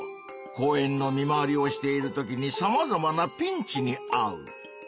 公園の見回りをしているときにさまざまなピンチにあう。